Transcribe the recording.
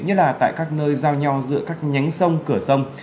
nhất là tại các nơi giao nhau giữa các nhánh sông cửa sông